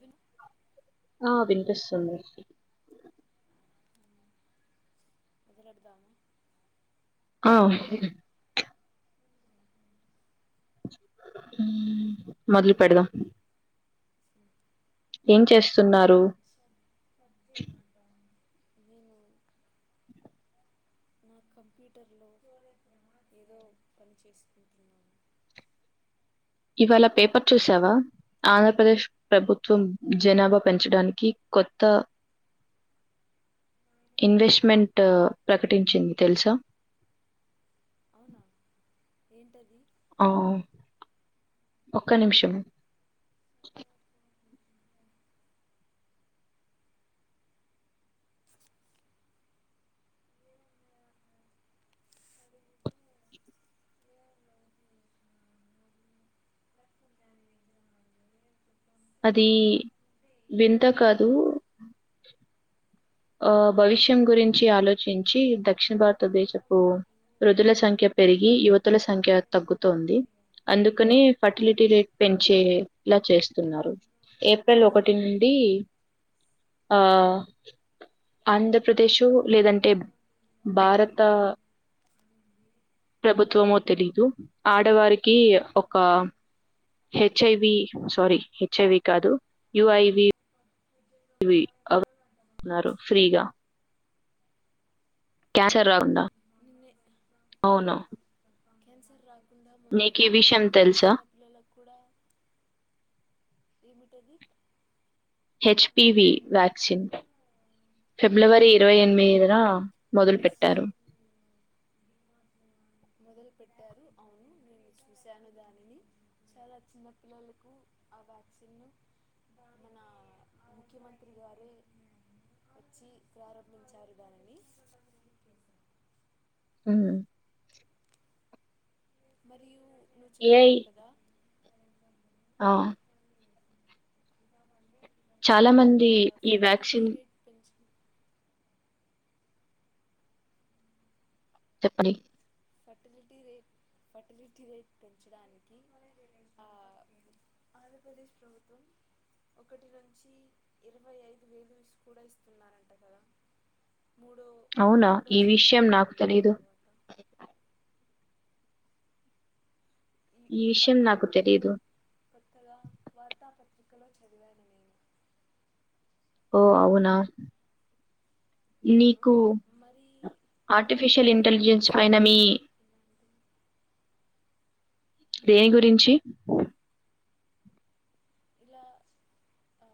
వినిప్ ఆ వినిపిస్తుంది. మొదలెడదామా ఆ అవ్ మొదలు పెడదాం ఏం చేస్తున్నారు. సబ్జెయమంట హ నా కంప్యూటర్లో ఏదో పని చేసుకుంటున్నాను. ఇవాళ పేపర్ చూసావా ఆంధ్రప్రదేశ్ ప్రభుత్వం జనాభా పెంచడానికి కొత్త ఇన్వెస్ట్మెంట్ ప్రకటించింది తెలుసా అవునా ఏంటది ఆ ఒక్క నిమిషము అది వింత కాదు ఆ భవిష్యం గురించి ఆలోచించి దక్షిణ భారతదేశపు వృధుల సంఖ్య పెరిగి యువతుల సంఖ్య తగ్గుతోంది అందుకనే ఫర్టిలిటీ రేట్ పెంచేలా చేస్తున్నారు ఏప్రిల్ ఒకటి నుండి ఆ ఆంధ్రప్రదేశో లేదంటే భారత ప్రభుత్వము తెలీదు ఆడవారికి ఒక హెచ్ఐవి సారీ హెచ్ఐవి కాదు యుఐవి ఇవి అన్నారు ఫ్రీగా క్యాన్సర్ అవునా రాకుండా నిన్నే అవునా క్యాన్సర్ ందాన్నారు తెలుసా చిన్న పిల్లలకు కూడా ఏమి పెది హెచ్పిి వి వ్యాక్సిన్ ఫిబ్రవరి ఇరవై ఎనిమిదిదిన మొదలు హెచ్ పెట్టారు మొదలుపెట్టారు అవును నేను చూశాను దానిని చాలా చిన్న పిల్లలకు ఆ వ్యాక్సిన్ను మన ముఖ్యమంత్రి గారే వచ్చి ప్రారం ప్రనించారు దానివి ఆ మరియు నువ్వు ఏఐ చెంటావు కదా ఆ పూజా మంది చాలా మంది ఈ వ్యాక్సిన్ రేట్ పెంచు చెప్పండి ఫర్టిలిటీ రేట్ ఫర్టిలిటీ రేట్ పెంచడానికి ఆ ఆంధ్రప్రదేశ్ ప్రభుత్వం ఒకటి నుంచి ఇరవై ఐదు వేలు కూడా ఇస్తున్నారంట కదా మూడో అవునా మూడో ఈ విషయం సంతానం నాకు కలిగిన తెలీదు తర్వాత ఈ ఇవ విషయం ఈ నాకు మధ్యనే తెలియదు పత్ర వార్తా పత్రిక ఇక్కలో చదివాను నేను ఓ అవునా అవును నీకు మరి మరి ఆర్టిఫిషియల్ ఇంటెలిజెన్స్ పైన మీకేమనిపిస్తుంది మీ దేని గురించి ఇలా ఆ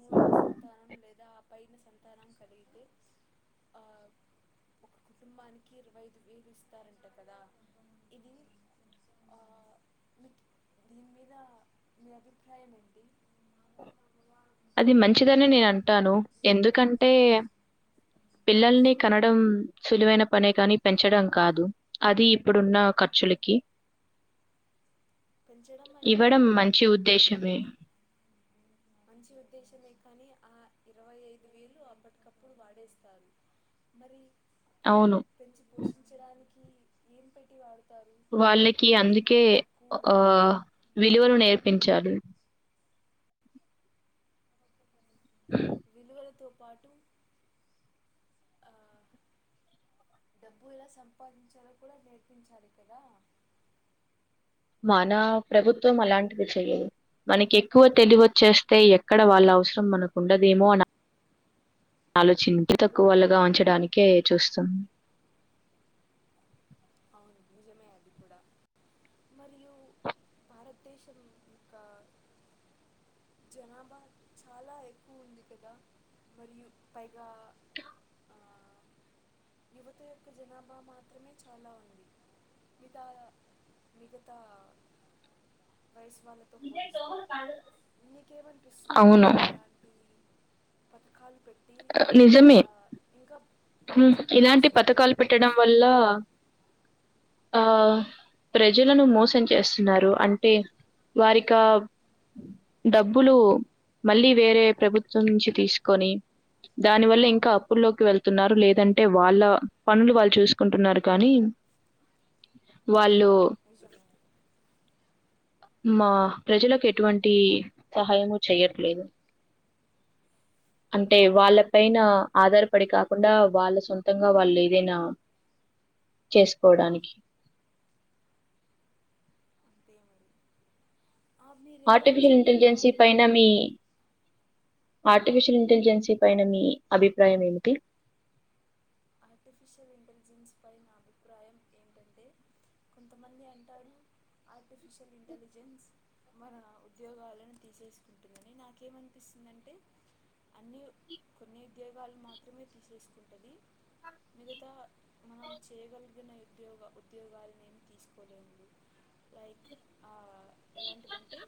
మూడో సంతానం లేదా ఆ పైన సంతానం కలిగితే ఆ ఒక కుటుంబానికి ఇరవై ఐదు వేలు ఇస్తారంట కదా ఇది ఆ దీని మీద మీ అభిప్రాయం ఏడి అది మంచిదని నేను అంటాను ఎందుకంటే పిల్లల్ని కనడం సులువైన పనే కానీ పెంచడం కాదు అది ఇప్పుడున్న ఖర్చులకి పెంచడం అయితే ఇవ్వడం మంచి ఉద్దేశమే అప్పటికప్పుడు మంచి ఉద్దేశమే కానీ ఆ ఇరవై ఐదు వేలు అప్పటికప్పుడు వాడేస్తారు మరి అవును పిల్లల్ని పెంచి పోషించడానికి ఏం పెట్టటి వాారు వాళ్ళకి అందుకే ఆ ఉంటే విలువలు నేర్పించాలి విలువలతో పాటు ఆ డబ్బు ఎలా సంపాదించాలో కూడా నేర్పించాలి కదా మన ప్రభుత్వం అలాంటివి చెయ్యవు మనకి ఎక్కువ తెలివి వచ్చేస్తే ఎక్కడ వాళ్ళ అవసరం మనకుండదేమో అనాలోచించ [unintelligible] తక్కువ వాళ్ళగా ఉంచడానికే చూస్తున్ అవును నిజమే అది కూడా మరియు భారతదేశం యొక్క జనాభా చాలా ఎక్కువుంది కదా మరియు పైగా ఆ యువత యొక్క జనాభా మాత్రమే చాలా ఉంది మీతా మిగతా వయసు వాళ్ళతో పోలిస్తే నీకేమనిపిస్తుంది అవును. ఇలాంటి పతకాలు నిజమే హ్మ్ పెంచి ఇలాంటి పతకాలు పోషిస్తున్నారని పెట్టడం వల్ల అనిపిస్తుందా ఆ ప్రజలను మోసం చేస్తున్నారు అంటే వారికా డబ్బులు మళ్ళీ వేరే ప్రభుత్వం నుంచి తీసుకొని దాని వల్ల ఇంకా అప్పుల్లోకి వెళ్ తున్నారు లేదంటే వాళ్ళ పనులు వాళ్ళు చూసుకుంటున్నారు కానీ వాళ్ళు అవును నిజమే మా ప్రజలకు ఎటువంటి సహాయము చెయ్యట్లేదు అంటే వాళ్ళ అవును పైన అంతే ఆధారపడి కా కాకుండా వాళ్ళు సొంతంగా వాళ్ళు ఏదైనా చేసుకోవడానికి అంతే మరి ఆ, మీరేదో ఆర్టిఫిషియల్ ఇంటెలిజెన్సీ చెప్తున్నారు పైన మీ ఆర్టిఫిషియల్ ఇంటెలిజెన్సీ పైన మీ అభిప్రాయం ఏమిటి ఆర్టిఫిషియల్ ఇంటెలిజెన్స్ పై నా అభిప్రాయం ఏంటంటే కొంతమంది అంటారు ఆర్టిఫిషియల్ ఇంటెలిజెన్స్ మన ఉద్యోగాలను తీసేసుకుంటుందని నాకేమనిపిస్తుందంటే అన్నియూ కొన్ని ఉద్యోగాలు మాత్రమే తీసేసుకుంటది మిగతా మనం చేయగలిగిన ఉద్యోగ ఉద్యోగాలని ఏం తీసుకోలేందు లైక్ ఆ ఎలాంటివంటే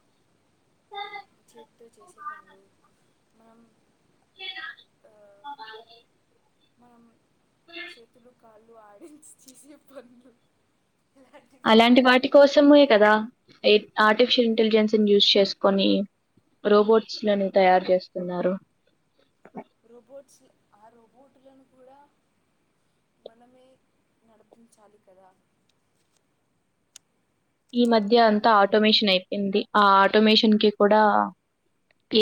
చేతితో చేసే పనులు మనం ఆ మనం చేతులు కా ళ్ళు ఆడించి చేసే పనులు అలాంటి వాటి కోసమే కదా ఎట్ ఆర్టిఫిషియల్ ఇంటెలిజెన్స్ ను యూజ్ చేసుకోని రోబోట్స్ లను తయారు చేస్తున్నారు రోబోట్స్ ఆ రోబోట్టులను కూడా మనమే నడిపించాలి కదా ఈ మధ్య అంతా ఆటోమేషన్ అయిపోయింది ఆ ఆటోమేషన్ కి కూడా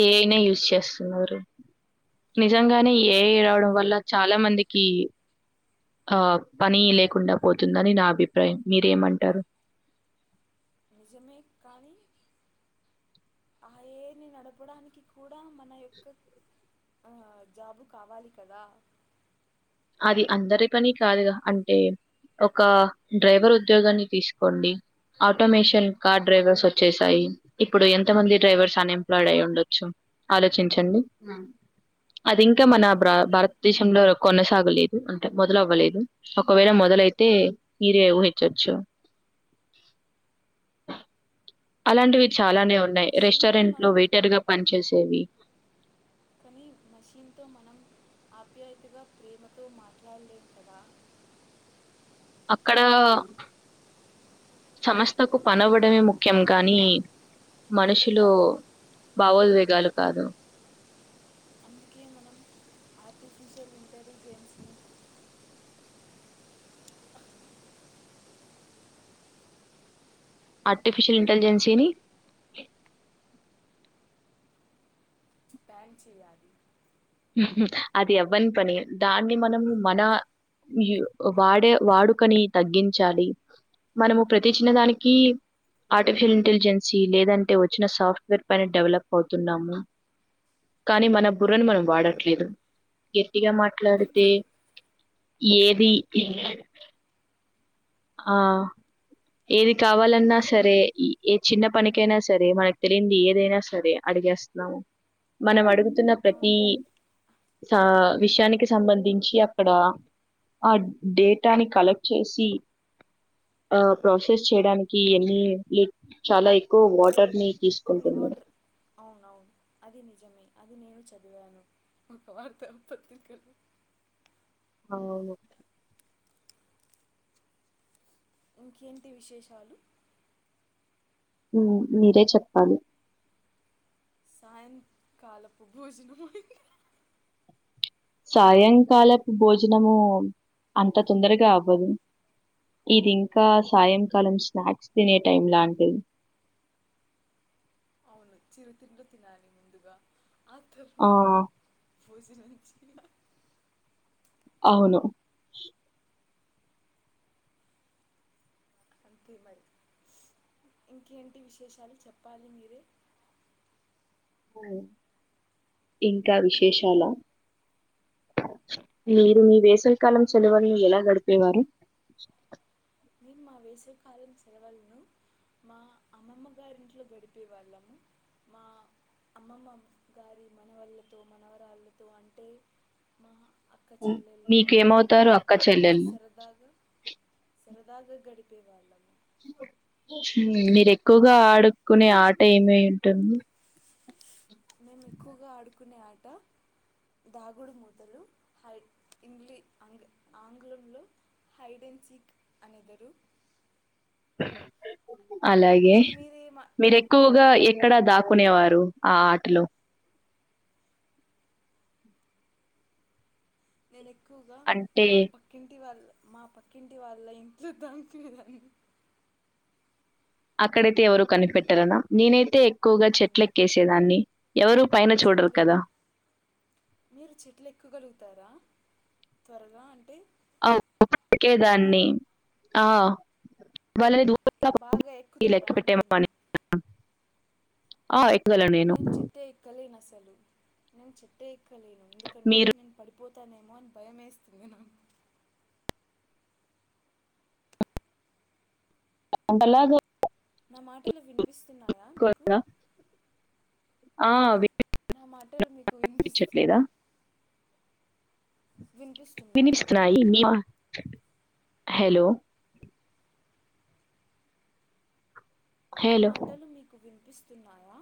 ఏ ఐ నే యూజ్ చేస్తున్నారు నిజంగానే ఏ ఐ ఆటోమేస్ రావడం వల్ల చాలా మందికి ఆ పని లేకుండా పోతుందని నా అభిప్రాయం మీరేం అంటారు నిజమే కానీ ఆ ఏ ఐ ని నడపడానికి కూడా మన యొక్క ఆ జాబు కావాలి కదా అది అందరి పని కాదుగా అంటే ఒక డ్రైవర్ ఉద్యోగాన్ని తీసుకోండి ఆటోమేషన్ కార్ డ్రైవర్స్ వచ్చేసాయి ఇప్పుడు ఎంతమంది డ్రైవర్స్ అన్ ఎంప్లాయిడ్ అయ్యిండొచ్చు ఆలోచించండి అదింక్ కా మన అంతే బ్రో మరి భారతదేశంలో కొన్ని తాగలేదు అంటే మొదలవ్వలేదు ఒకవేళ మొదలైతే మీరే ఊహించచ్చు కానీ అలాంటివి చాలానే ఉన్నాయి మషీన్తో రెస్టారెంట్ లో మనం వెయిటర్ గా పని చేేసేవి కానీ మషీన్తో మనం ఆప్యాయతగా ప్రేమతో మాట్లాడలేము కదా అక్కడ సమస్థకు పనవ్వడమే ముఖ్యం కానీ మనుషులు భావోద్వేగాలు కాదు ఇంచెల్ ఇంటెలిజేన్స్ ని ఆర్టిఫిషియల్ ఇంటెలిజెన్సీ ని బ్యాన్ చేయాలి అది అవ్వని పని దాన్ని మనము మన వాడే వాడుకని తగ్గించాలి మనము ప్రతి చిన్నదానికి ఆర్టిఫిషియల్ ఇంటెలిజెన్సీ లేదంటే వచ్చిన సాఫ్ట్వేర్ పని డెవలప్ అవుతున్నాము కానీ మన బుర్రని మనం వాడట్లేదు గటిగా మాట్లాడితే ఏది ఆ ఏది కావాలన్నా సరే ఏ చిన్న పనికైనా సరే మనకు తెలియంది ఏదైనా సరే అడిగేస్తున్నాము మనం అడుగు స్తు ప్రతి అవును సా విషయానికి సంబంధించి అక్కడ ఆ డేటాని కలెక్ట్ చేసి ఆ ప్రాసెస్ చేయడానికి ఎన్ని చాలా ఎక్కువ వాటర్ ని ని- తీసుకుంటున్నా వాటర్ అవునవును అది నిజమే అది నేను చదివాను ఒక వార్త పత్రికలు అవు ఇంకేంటి విశేషాలు మీరే చెప్పాలి సాయంకాలపు భోజన మయి సాయంకాలపు భోజనము అంత తొందరగా అవ్వదు ఇది ఇంకా సాయంకాలం స్నాక్స్ తినే టైం లాంటిది అవును చిరుతింలు తినాలి ముందుగా ఆ! అతర్ంత పూజనంచి అవును అంతే మరి ఇంకేంటి విశేషాలు చెప్పాలి మీరే ఇంకా విశేషాల మీరు మీ వేసవ కాలం ఉమ్, సెలవుల్ని ఎలా గడిపేవారు మేము మా వేసవకాలం సెలవలను మా అమ్మమ్మ గారింట్లో గడిపే వాళ్ళము మా అమ్మమ్మ గారి మనవళ్ళతో మనవరాళ్ళతో అంటే మా అక్క చెల్లెళ్ళు మీకేమవుతారు అక్క అన్నతమ్ముళ్లతో చెల్లెళ్ళు? సరదాగా సరదా గడిపే వాళ్ళమా మీరు ఎక్కువగా ఆడుకునే ఆట ఏమ ఉంటుంది మముకుగాడ్ ఆకునే ఆట దాగుడు మూతలు హై ఇంగ్లీ ఆంగ్ ఆంగ్లంలో హైడెన్ సిక్ అనేదరు [inaudible] అలాగే మీరేమ మీరు ఎక్కువగా ఎక్కడా దాకునేవారు ఆ ఆటలో నను ఎక్కువగా అంటే మా పక్కింటి వాళ్ళు మా పక్కింటి వాళ్ళ ఇంట్లో దాంచదన్ని అక్కడైతే ఎవరుూ కనిపెట్టరనా నేనైతే ఎక్కువగా అవును చెట్ల ఎక్కేసేదాన్ని చెట్లు మీరు చెట్లు ఎక్కగలుగుతారా త్వరగా అంటే అఓకేదాన్ని ఆ ఎక్ వాళ దూ బాగా ఎక్కుతారా లెక్క అంటున్నా పెట్టేమని ఆ నేను చె చితే ఇక్కలే న చ న చెట్ట మీరు పోతానేమో అని భయం వేస్తుంది నాకు ంటలా నా మాటలు వినిపిస్తున్నాయా మీకు ఆ నా మాటలు మీకు వినిపిస్తుంది వినిపించట్లేదా? వినిపిస్తున్నాయి హలో నా హలో. మాటలు మీకు వి వినిపిస్తున్నాయా